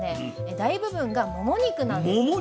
大部分がモモ肉なんですね。